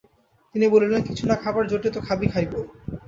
তিনি বলিলেন, কিছু না খাবার জোটে তো খাবি খাইব।